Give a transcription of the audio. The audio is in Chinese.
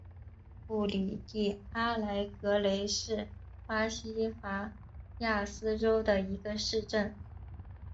布里蒂阿莱格雷是巴西戈亚斯州的一个市镇。